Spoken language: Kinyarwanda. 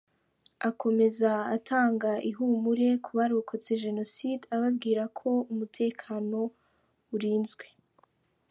Akomeza atanga ihumure ku barokotse Jenoside ababwira ko umutekano urinzwe.